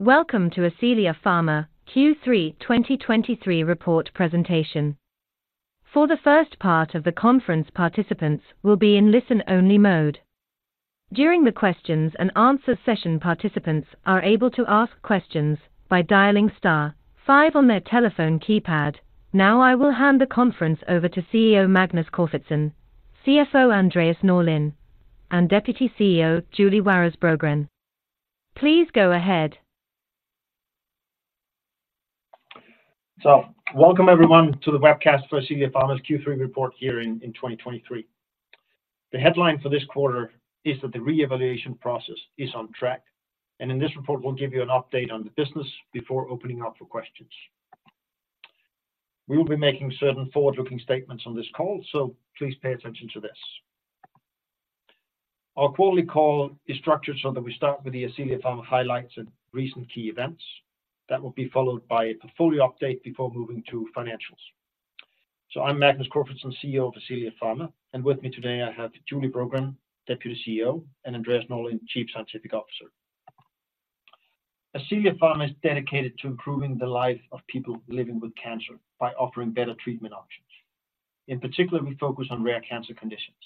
Welcome to Ascelia Pharma Q3 2023 report presentation. For the first part of the conference, participants will be in listen-only mode. During the questions and answer session, participants are able to ask questions by dialing star five on their telephone keypad. Now, I will hand the conference over to CEO Magnus Corfitzen, CSO Andreas Norlin, and Deputy CEO Julie Waras Brogren. Please go ahead. So welcome everyone to the webcast for Ascelia Pharma's Q3 report here in 2023. The headline for this quarter is that the reevaluation process is on track, and in this report, we'll give you an update on the business before opening up for questions. We will be making certain forward-looking statements on this call, so please pay attention to this. Our quarterly call is structured so that we start with the Ascelia Pharma highlights and recent key events. That will be followed by a portfolio update before moving to financials. So I'm Magnus Corfitzen, CEO of Ascelia Pharma, and with me today, I have Julie Brogren, Deputy CEO, and Andreas Norlin, Chief Scientific Officer. Ascelia Pharma is dedicated to improving the lives of people living with cancer by offering better treatment options. In particular, we focus on rare cancer conditions.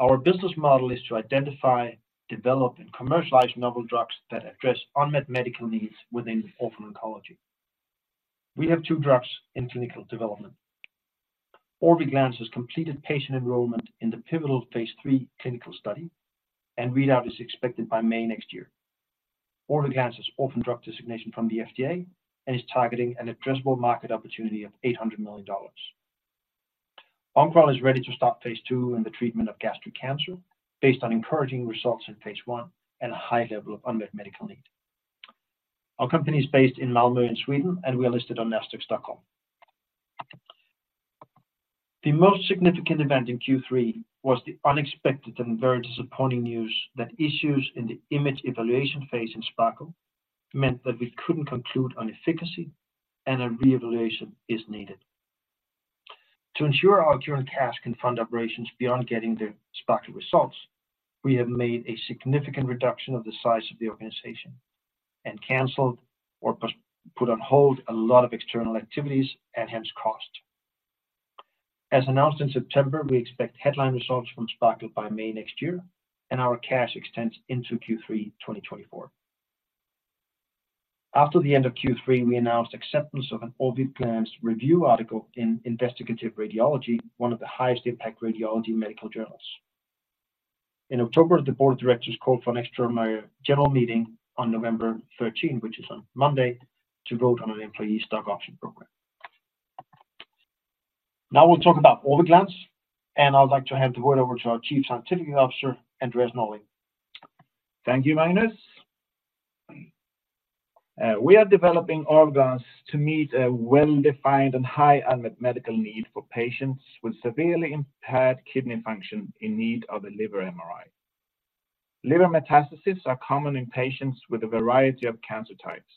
Our business model is to identify, develop, and commercialize novel drugs that address unmet medical needs within orphan oncology. We have two drugs in clinical development. Orviglance has completed patient enrollment in the pivotal phase III clinical study, and readout is expected by May next year. Orviglance has orphan drug designation from the FDA and is targeting an addressable market opportunity of $800 million. Oncoral is ready to start phase II in the treatment of gastric cancer, based on encouraging results in phase I and a high level of unmet medical need. Our company is based in Malmö in Sweden, and we are listed on Nasdaq Stockholm. The most significant event in Q3 was the unexpected and very disappointing news that issues in the image evaluation phase in SPARKLE meant that we couldn't conclude on efficacy, and a reevaluation is needed. To ensure our current cash can fund operations beyond getting the SPARKLE results, we have made a significant reduction of the size of the organization and canceled or put on hold a lot of external activities, and hence, cost. As announced in September, we expect headline results from SPARKLE by May next year, and our cash extends into Q3 2024. After the end of Q3, we announced acceptance of an Orviglance review article in Investigative Radiology, one of the highest impact radiology medical journals. In October, the board of directors called for an extraordinary general meeting on November 13, which is on Monday, to vote on an employee stock option program. Now we'll talk about Orviglance, and I would like to hand the word over to our Chief Scientific Officer, Andreas Norlin. Thank you, Magnus. We are developing Orviglance to meet a well-defined and high unmet medical need for patients with severely impaired kidney function in need of a liver MRI. Liver metastases are common in patients with a variety of cancer types.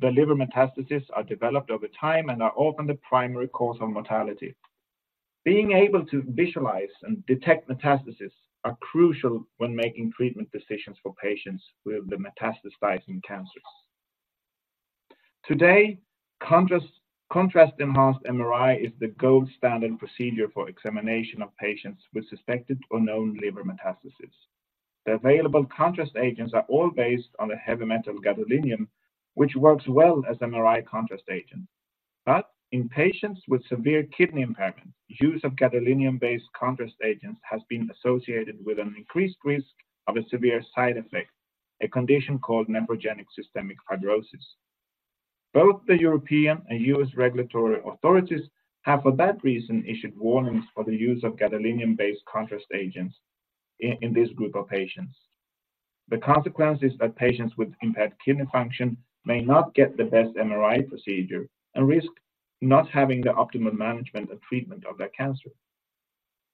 The liver metastases are developed over time and are often the primary cause of mortality. Being able to visualize and detect metastases are crucial when making treatment decisions for patients with the metastasizing cancers. Today, contrast-enhanced MRI is the gold standard procedure for examination of patients with suspected or known liver metastases. The available contrast agents are all based on a heavy metal gadolinium, which works well as an MRI contrast agent. But in patients with severe kidney impairment, use of gadolinium-based contrast agents has been associated with an increased risk of a severe side effect, a condition called nephrogenic systemic fibrosis. Both the European and U.S. regulatory authorities have, for that reason, issued warnings for the use of gadolinium-based contrast agents in this group of patients. The consequence is that patients with impaired kidney function may not get the best MRI procedure and risk not having the optimal management and treatment of their cancer.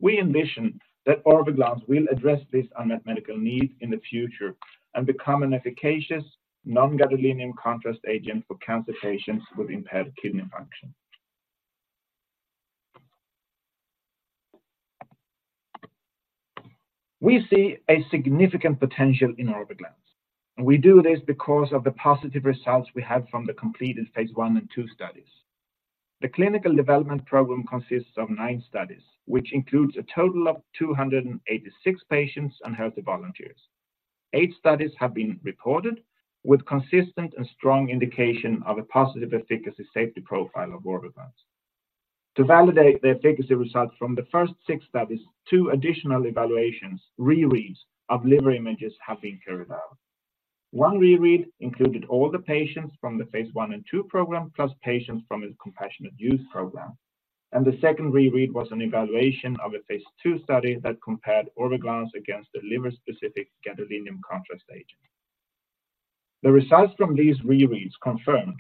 We envision that Orviglance will address this unmet medical need in the future and become an efficacious non-gadolinium contrast agent for cancer patients with impaired kidney function. We see a significant potential in Orviglance, and we do this because of the positive results we have from the completed phase I and II studies. The clinical development program consists of 9 studies, which includes a total of 286 patients and healthy volunteers. 8 studies have been reported with consistent and strong indication of a positive efficacy safety profile of Orviglance. To validate the efficacy results from the first 6 studies, 2 additional evaluations, rereads, of liver images have been carried out. One reread included all the patients from the phase I and II program, plus patients from a compassionate use program, and the second reread was an evaluation of a phase II study that compared Orviglance against the liver-specific gadolinium contrast agent. The results from these rereads confirmed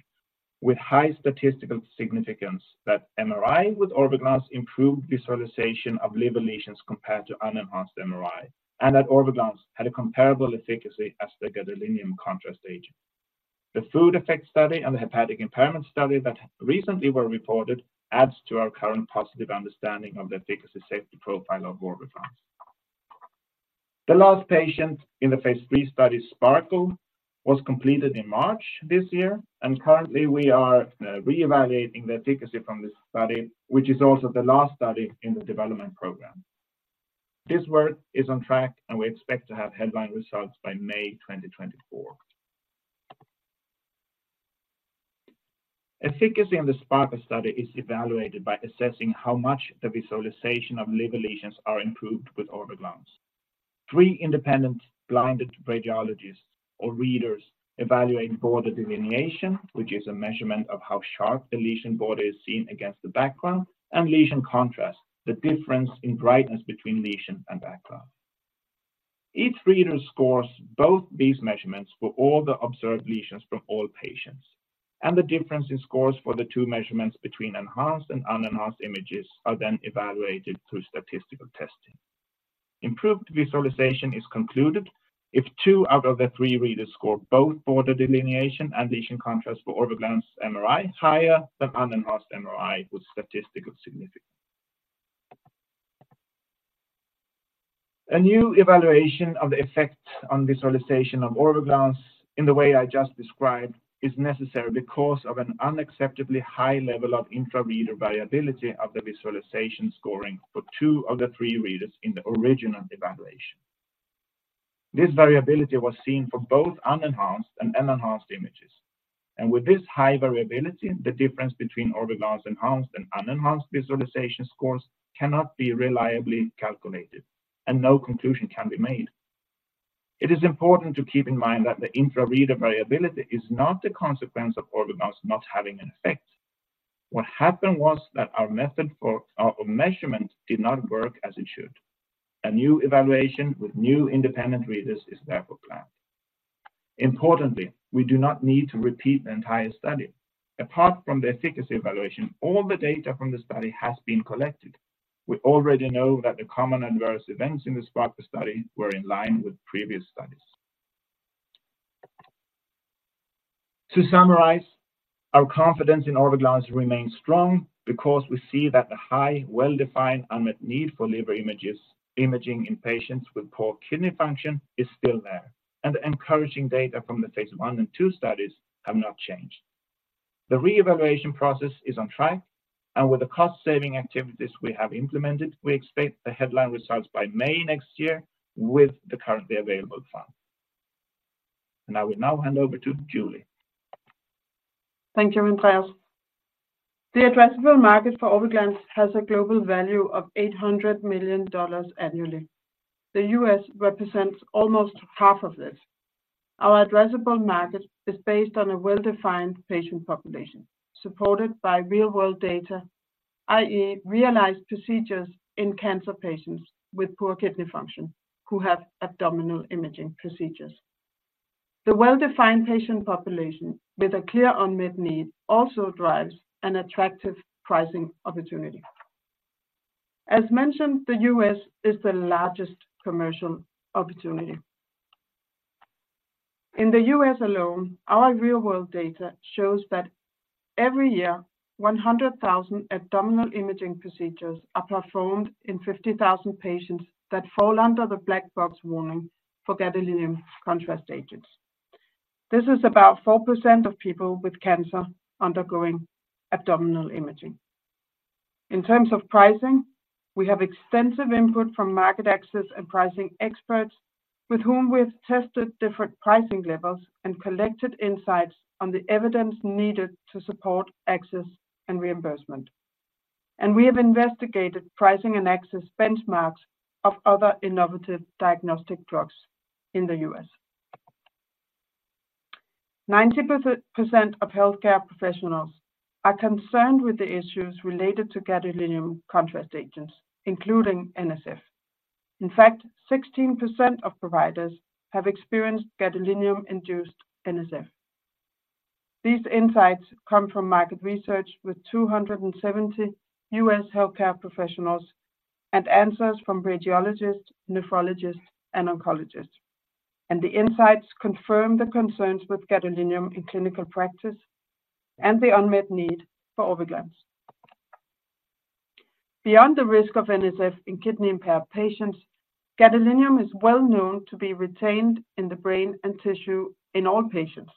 with high statistical significance that MRI with Orviglance improved visualization of liver lesions compared to unenhanced MRI, and that Orviglance had a comparable efficacy as the gadolinium contrast agent. The food effect study and the hepatic impairment study that recently were reported adds to our current positive understanding of the efficacy safety profile of Orviglance. The last patient in the phase III study, SPARKLE, was completed in March this year, and currently we are reevaluating the efficacy from this study, which is also the last study in the development program. This work is on track, and we expect to have headline results by May 2024. Efficacy in the SPARKLE study is evaluated by assessing how much the visualization of liver lesions are improved with Orviglance. Three independent blinded radiologists or readers evaluate border delineation, which is a measurement of how sharp the lesion border is seen against the background, and lesion contrast, the difference in brightness between lesion and background. Each reader scores both these measurements for all the observed lesions from all patients, and the difference in scores for the two measurements between enhanced and unenhanced images are then evaluated through statistical testing. Improved visualization is concluded if two out of the three readers score both border delineation and lesion contrast for Orviglance MRI higher than unenhanced MRI with statistical significance. A new evaluation of the effect on visualization of Orviglance in the way I just described is necessary because of an unacceptably high level of intra-reader variability of the visualization scoring for two of the three readers in the original evaluation. This variability was seen for both unenhanced and enhanced images. With this high variability, the difference between Orviglance enhanced and unenhanced visualization scores cannot be reliably calculated, and no conclusion can be made. It is important to keep in mind that the intra-reader variability is not the consequence of Orviglance not having an effect. What happened was that our measurement did not work as it should. A new evaluation with new independent readers is therefore planned. Importantly, we do not need to repeat the entire study. Apart from the efficacy evaluation, all the data from the study has been collected. We already know that the common adverse events in the SPARKLE study were in line with previous studies. To summarize, our confidence in Orviglance remains strong because we see that the high, well-defined unmet need for liver imaging in patients with poor kidney function is still there, and the encouraging data from the phase I and II studies have not changed. The reevaluation process is on track, and with the cost-saving activities we have implemented, we expect the headline results by May next year with the currently available funds. I will now hand over to Julie. Thank you, Andreas. The addressable market for Orviglance has a global value of $800 million annually. The U.S. represents almost half of this. Our addressable market is based on a well-defined patient population, supported by real-world data, i.e., realized procedures in cancer patients with poor kidney function who have abdominal imaging procedures. The well-defined patient population with a clear unmet need also drives an attractive pricing opportunity. As mentioned, the U.S. is the largest commercial opportunity. In the U.S. alone, our real-world data shows that every year, 100,000 abdominal imaging procedures are performed in 50,000 patients that fall under the black box warning for gadolinium contrast agents. This is about 4% of people with cancer undergoing abdominal imaging. In terms of pricing, we have extensive input from market access and pricing experts, with whom we have tested different pricing levels and collected insights on the evidence needed to support access and reimbursement. We have investigated pricing and access benchmarks of other innovative diagnostic drugs in the U.S. 90% of healthcare professionals are concerned with the issues related to gadolinium contrast agents, including NSF. In fact, 16% of providers have experienced gadolinium-induced NSF. These insights come from market research with 270 U.S. healthcare professionals and answers from radiologists, nephrologists, and oncologists. The insights confirm the concerns with gadolinium in clinical practice and the unmet need for Orviglance. Beyond the risk of NSF in kidney-impaired patients, gadolinium is well known to be retained in the brain and tissue in all patients,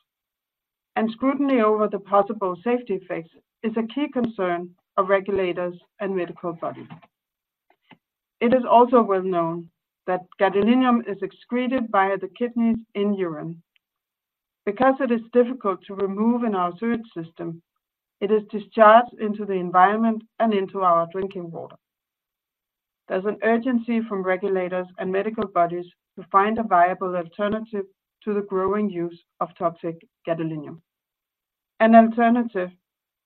and scrutiny over the possible safety effects is a key concern of regulators and medical bodies. It is also well known that gadolinium is excreted via the kidneys in urine. Because it is difficult to remove in our sewage system, it is discharged into the environment and into our drinking water. There's an urgency from regulators and medical bodies to find a viable alternative to the growing use of toxic gadolinium. An alternative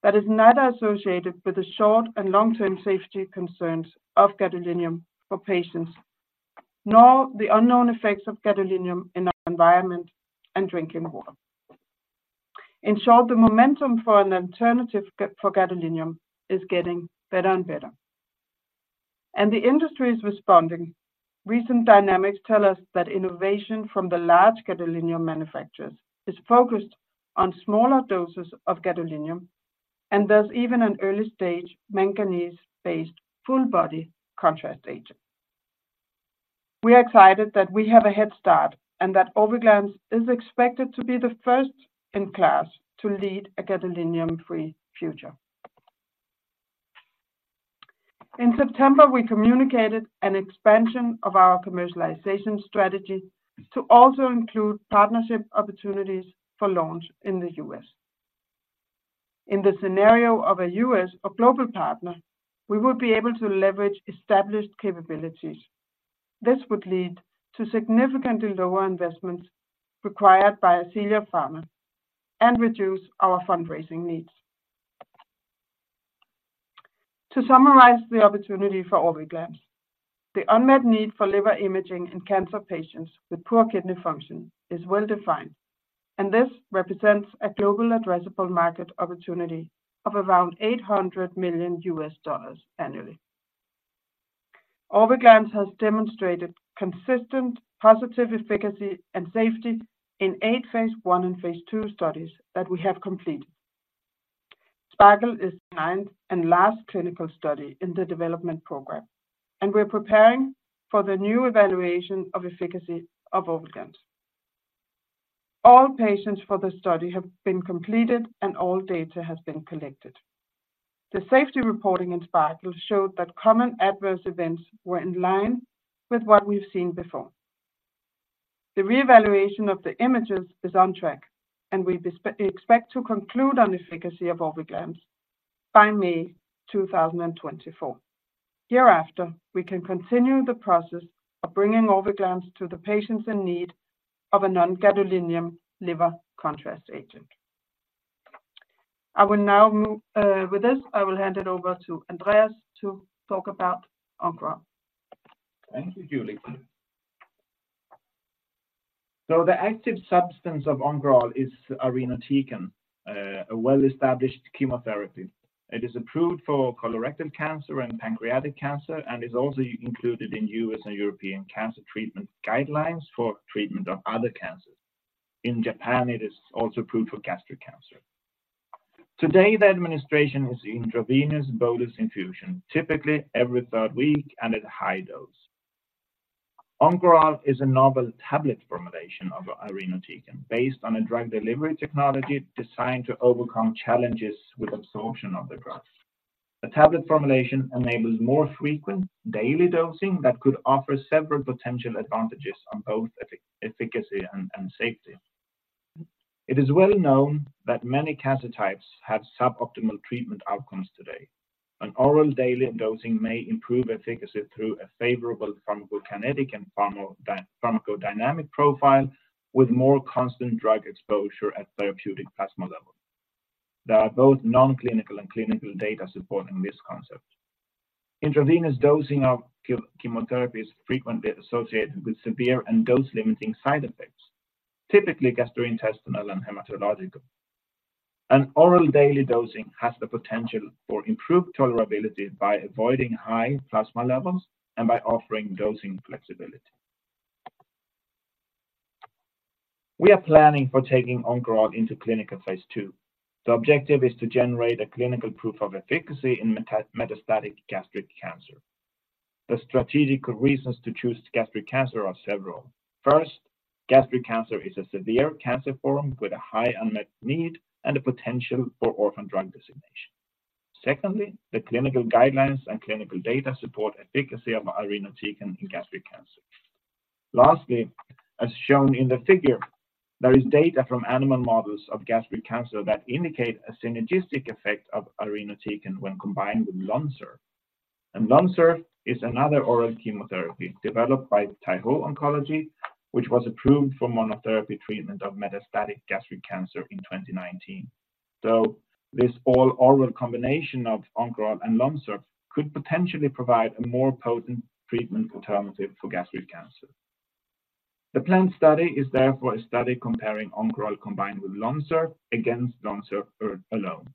that is neither associated with the short- and long-term safety concerns of gadolinium for patients, nor the unknown effects of gadolinium in our environment and drinking water. In short, the momentum for an alternative for gadolinium is getting better and better, and the industry is responding. Recent dynamics tell us that innovation from the large gadolinium manufacturers is focused on smaller doses of gadolinium, and there's even an early-stage manganese-based full body contrast agent. We are excited that we have a head start, and that Orviglance is expected to be the first in class to lead a gadolinium-free future. In September, we communicated an expansion of our commercialization strategy to also include partnership opportunities for launch in the US. In the scenario of a U.S. or global partner, we would be able to leverage established capabilities. This would lead to significantly lower investments required by Ascelia Pharma and reduce our fundraising needs. To summarize the opportunity for Orviglance, the unmet need for liver imaging in cancer patients with poor kidney function is well-defined, and this represents a global addressable market opportunity of around $800 million annually. Orviglance has demonstrated consistent positive efficacy and safety in eight phase I and phase II studies that we have completed. SPARKLE is the ninth and last clinical study in the development program, and we are preparing for the new evaluation of efficacy of Orviglance. All patients for the study have been completed, and all data has been collected. The safety reporting in SPARKLE showed that common adverse events were in line with what we've seen before. The reevaluation of the images is on track, and we expect to conclude on efficacy of Orviglance by May 2024. Thereafter, we can continue the process of bringing Orviglance to the patients in need of a non-gadolinium liver contrast agent. I will now move. With this, I will hand it over to Andreas to talk about Oncoral. Thank you, Julie. So the active substance of Oncoral is irinotecan, a well-established chemotherapy. It is approved for colorectal cancer and pancreatic cancer, and is also included in U.S. and European cancer treatment guidelines for treatment of other cancers. In Japan, it is also approved for gastric cancer. Today, the administration is intravenous bolus infusion, typically every third week and at a high dose. Oncoral is a novel tablet formulation of irinotecan, based on a drug delivery technology designed to overcome challenges with absorption of the drug. The tablet formulation enables more frequent daily dosing that could offer several potential advantages on both efficacy and safety. It is well known that many cancer types have suboptimal treatment outcomes today. An oral daily dosing may improve efficacy through a favorable pharmacokinetic and pharmacodynamic profile, with more constant drug exposure at therapeutic plasma level. There are both non-clinical and clinical data supporting this concept. Intravenous dosing of chemotherapy is frequently associated with severe and dose-limiting side effects, typically gastrointestinal and hematological. An oral daily dosing has the potential for improved tolerability by avoiding high plasma levels and by offering dosing flexibility. We are planning for taking Oncoral into clinical phase II. The objective is to generate a clinical proof of efficacy in metastatic gastric cancer. The strategic reasons to choose gastric cancer are several. First, gastric cancer is a severe cancer form with a high unmet need and a potential for orphan drug designation. Secondly, the clinical guidelines and clinical data support efficacy of irinotecan in gastric cancer. Lastly, as shown in the figure, there is data from animal models of gastric cancer that indicate a synergistic effect of irinotecan when combined with Lonsurf. Lonsurf is another oral chemotherapy developed by Taiho Oncology, which was approved for monotherapy treatment of metastatic gastric cancer in 2019. This all oral combination of Oncoral and Lonsurf could potentially provide a more potent treatment alternative for gastric cancer. The planned study is therefore a study comparing Oncoral combined with Lonsurf against Lonsurf alone.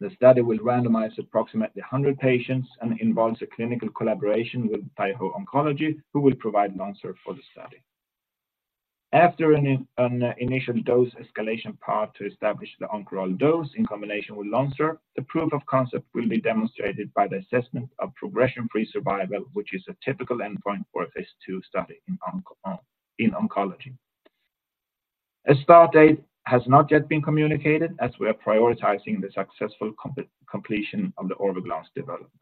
The study will randomize approximately 100 patients and involves a clinical collaboration with Taiho Oncology, who will provide Lonsurf for the study. After an initial dose escalation part to establish the Oncoral dose in combination with Lonsurf, the proof of concept will be demonstrated by the assessment of progression-free survival, which is a typical endpoint for a phase II study in oncology. A start date has not yet been communicated, as we are prioritizing the successful completion of the Orviglance development.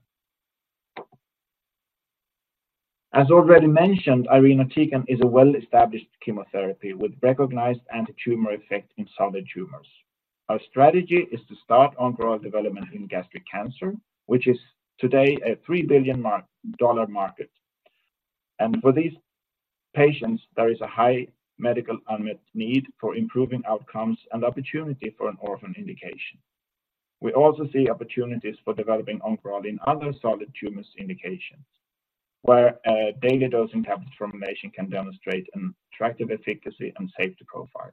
As already mentioned, irinotecan is a well-established chemotherapy with recognized antitumor effect in solid tumors. Our strategy is to start Oncoral development in gastric cancer, which is today a $3 billion market. For these patients, there is a high medical unmet need for improving outcomes and opportunity for an orphan indication. We also see opportunities for developing Oncoral in other solid tumors indications, where a daily dosing tablet formulation can demonstrate an attractive efficacy and safety profile.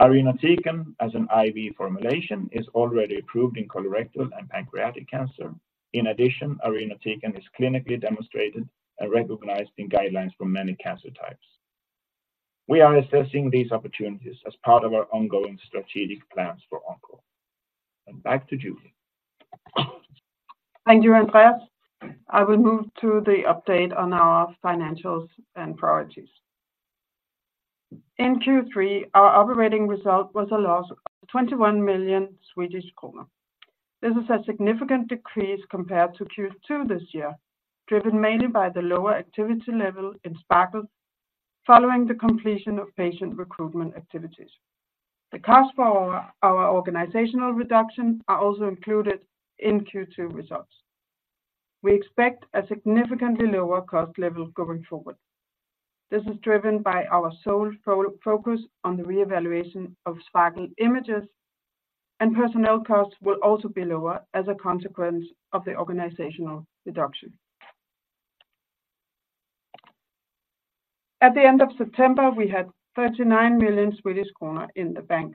Irinotecan, as an IV formulation, is already approved in colorectal and pancreatic cancer. In addition, irinotecan is clinically demonstrated and recognized in guidelines for many cancer types. We are assessing these opportunities as part of our ongoing strategic plans for Oncoral. And back to Julie. Thank you, Andreas. I will move to the update on our financials and priorities. In Q3, our operating result was a loss of 21 million Swedish kronor. This is a significant decrease compared to Q2 this year, driven mainly by the lower activity level in SPARKLE, following the completion of patient recruitment activities. The cost for our organizational reduction are also included in Q2 results. We expect a significantly lower cost level going forward. This is driven by our sole focus on the reevaluation of SPARKLE images, and personnel costs will also be lower as a consequence of the organizational reduction. At the end of September, we had 39 million Swedish kronor in the bank.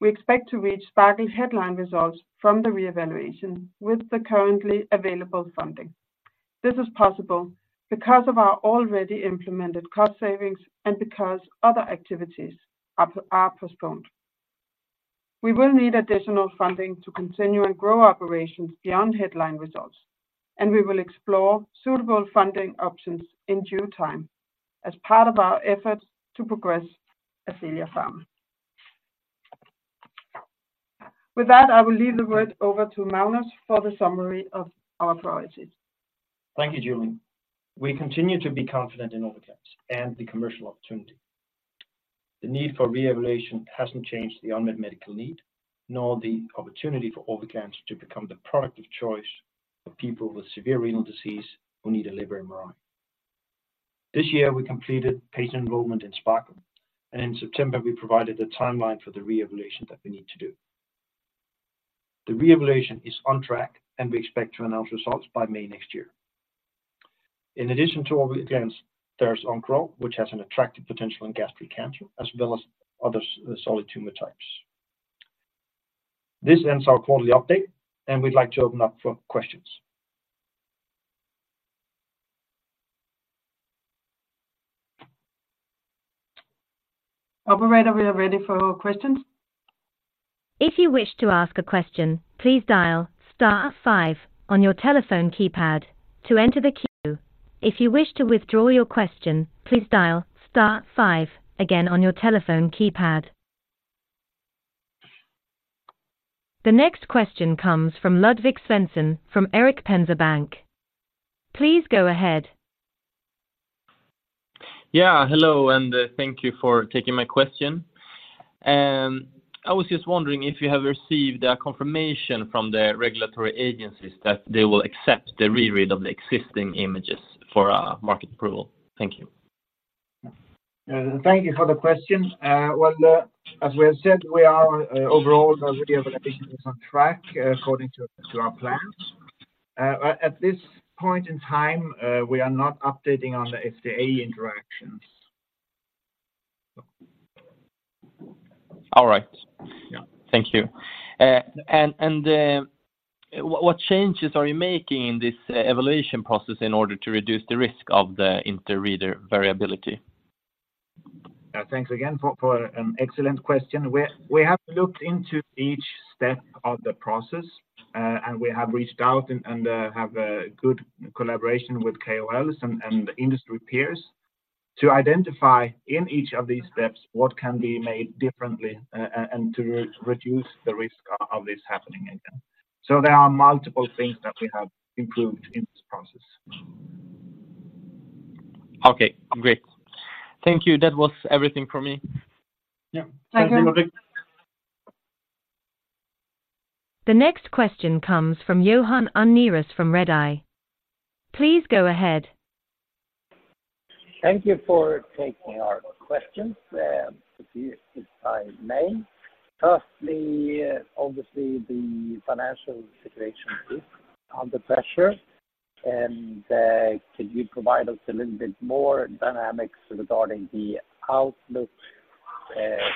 We expect to reach SPARKLE headline results from the reevaluation with the currently available funding. This is possible because of our already implemented cost savings and because other activities are postponed. We will need additional funding to continue and grow operations beyond headline results, and we will explore suitable funding options in due time as part of our efforts to progress Ascelia Pharma. With that, I will leave the word over to Magnus for the summary of our priorities. Thank you, Julie. We continue to be confident in Orviglance and the commercial opportunity. The need for reevaluation hasn't changed the unmet medical need, nor the opportunity for Orviglance to become the product of choice for people with severe renal disease who need a liver MRI. This year, we completed patient enrollment in SPARKLE, and in September, we provided a timeline for the reevaluation that we need to do. The reevaluation is on track, and we expect to announce results by May next year. In addition to Orviglance, there's Oncoral, which has an attractive potential in gastric cancer, as well as other solid tumor types. This ends our quarterly update, and we'd like to open up for questions. Operator, we are ready for questions. If you wish to ask a question, please dial star five on your telephone keypad to enter the queue. If you wish to withdraw your question, please dial star five again on your telephone keypad. The next question comes from Ludvig Svensson from Erik Penser Bank. Please go ahead. Yeah, hello, and thank you for taking my question. I was just wondering if you have received a confirmation from the regulatory agencies that they will accept the re-read of the existing images for market approval? Thank you. Thank you for the question. Well, as we have said, we are overall, the reevaluation is on track, according to our plans. At this point in time, we are not updating on the FDA interactions. All right. Yeah. Thank you. What changes are you making in this evaluation process in order to reduce the risk of the inter-reader variability? Thanks again for an excellent question. We have looked into each step of the process, and we have reached out and have a good collaboration with KOLs and industry peers to identify in each of these steps what can be made differently and to reduce the risk of this happening again. So there are multiple things that we have improved in this process. Okay, great. Thank you. That was everything for me. Yeah. Thank you Ludvig. Thank you. The next question comes from Johan Unnérus from Redeye. Please go ahead. Thank you for taking our questions. If I may firstly, obviously, the financial situation is under pressure, and could you provide us a little bit more dynamics regarding the outlook?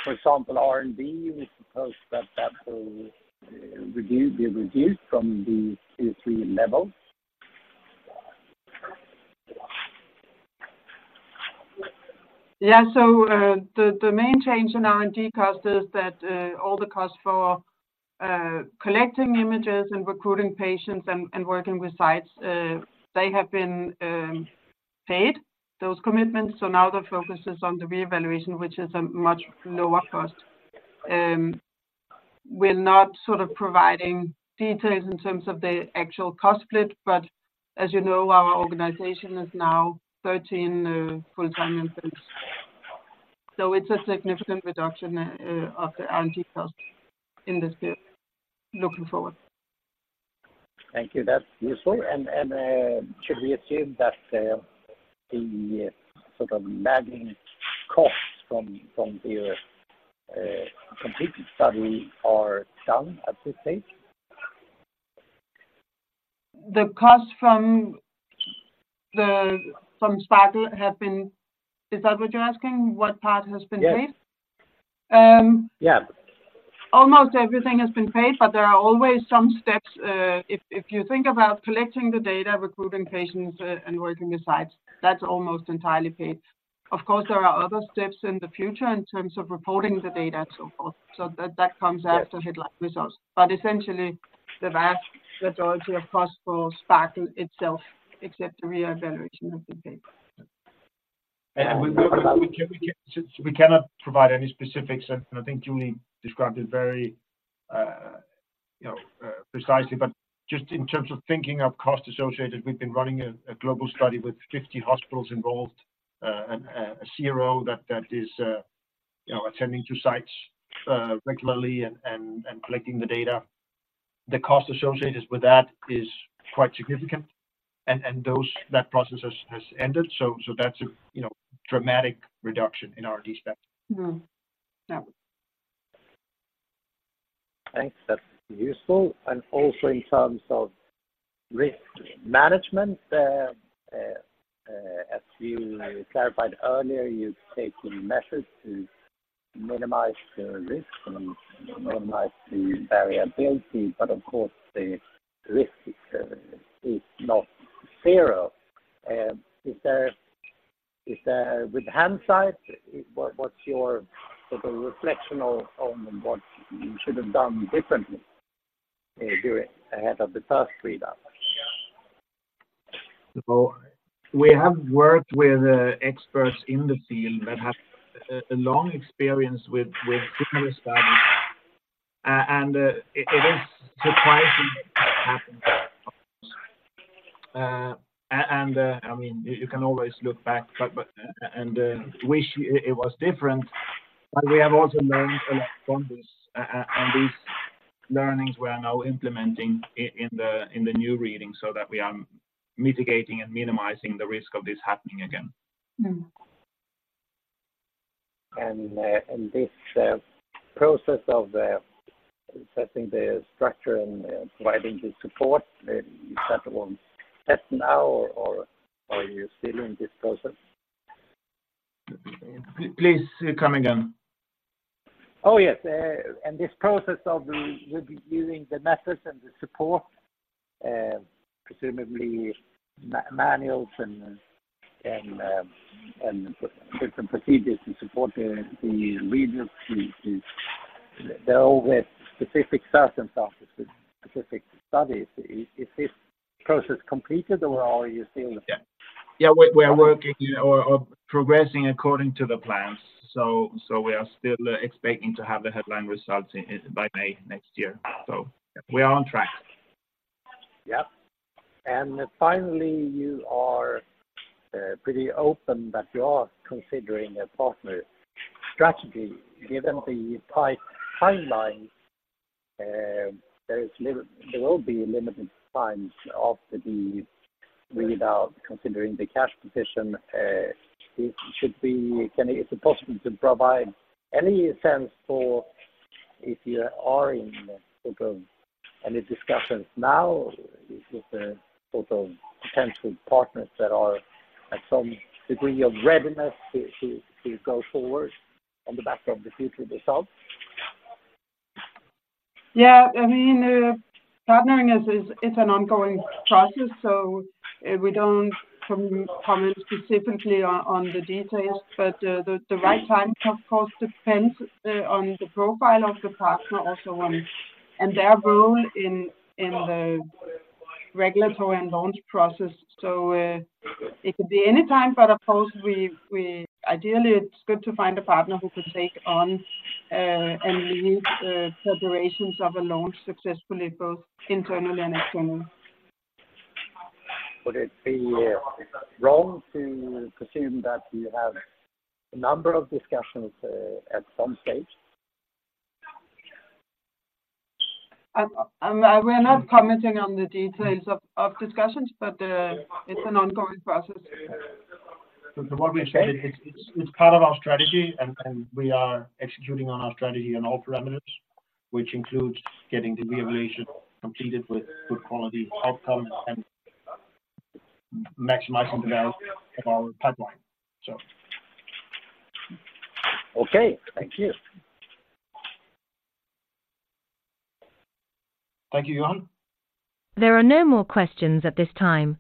For example, R&D, we suppose that that will reduce, be reduced from the Q3 level. Yeah. So, the main change in R&D costs is that all the costs for collecting images and recruiting patients and working with sites, they have been paid, those commitments. So now the focus is on the reevaluation, which is a much lower cost. We're not sort of providing details in terms of the actual cost split, but as you know, our organization is now 13 full-time employees. So it's a significant reduction of the R&D cost in this field looking forward. Thank you. That's useful. And should we assume that the sort of lagging costs from the completed study are done at this stage? The costs from SPARKLE have been, is that what you're asking, what part has been paid? Yeah. Almost everything has been paid, but there are always some steps, if you think about collecting the data, recruiting patients, and working the sites, that's almost entirely paid. Of course, there are other steps in the future in terms of reporting the data and so forth, so that comes after headline results. But essentially, the vast majority of costs for SPARKLE itself, except the reevaluation, have been paid. And we can, since we cannot provide any specifics, and I think Julie described it very, you know, precisely. But just in terms of thinking of cost associated, we've been running a global study with 50 hospitals involved, and a CRO that is, you know, attending to sites regularly and collecting the data. The cost associated with that is quite significant, and that process has ended, so that's a, you know, dramatic reduction in our expense. Mm-hmm. Yeah. Thanks. That's useful. And also in terms of risk management, as you clarified earlier, you've taken measures to minimize the risk and minimize the variability, but of course, the risk is not zero. Is there, with hindsight, what's your sort of reflection on what you should have done differently, during ahead of the first read out? So we have worked with experts in the field that have a long experience with previous studies. It is surprising what happened. I mean, you can always look back, but wish it was different. But we have also learned a lot from this, and these learnings we are now implementing in the new reading so that we are mitigating and minimizing the risk of this happening again. Mm-hmm. And this process of setting the structure and providing the support that one set now or are you still in this process? Please come again. Oh, yes. And this process of re-reviewing the methods and the support, presumably manuals and different procedures to support the readers to deal with specific substance of the specific studies. Is this process completed, or are you still looking? Yeah, we're working or progressing according to the plans. So we are still expecting to have the headline results by May next year. So we are on track. Yep. And finally, you are pretty open that you are considering a partner strategy. Given the tight timeline, there will be limited times of the read out, considering the cash position, it should be. It's possible to provide any sense for if you are in sort of any discussions now with the sort of potential partners that are at some degree of readiness to go forward on the back of the future results? Yeah, I mean, partnering is an ongoing process, so, we don't comment specifically on the details. But, the right time, of course, depends on the profile of the partner also, and their role in the regulatory and launch process. So, it could be any time, but of course, we ideally, it's good to find a partner who can take on and lead preparations of a launch successfully, both internally and externally. Would it be wrong to presume that you have a number of discussions at some stage? We are not commenting on the details of discussions, but it's an ongoing process. So what we say, it's part of our strategy, and we are executing on our strategy on all parameters, which includes getting the reevaluation completed with good quality outcomes and maximizing the value of our pipeline. Okay. Thank you. Thank you, Johan. There are no more questions at this time,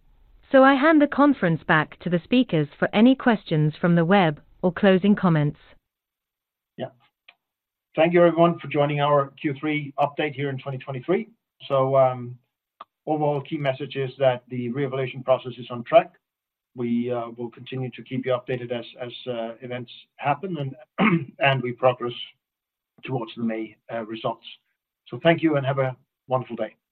so I hand the conference back to the speakers for any questions from the web or closing comments. Yeah. Thank you, everyone, for joining our Q3 update here in 2023. So, overall key message is that the reevaluation process is on track. We will continue to keep you updated as events happen, and we progress towards the May results. So thank you and have a wonderful day.